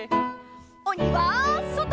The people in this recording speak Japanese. おにはそと！